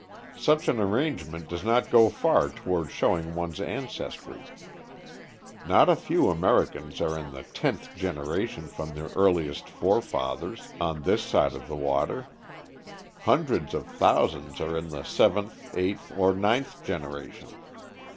Such an arrangement does not go far toward showing one's ancestry. Not a few Americans are in the tenth generation from their earliest forefathers on this side of the water. Hundreds of thousands are in the seventh, eighth or ninth generation.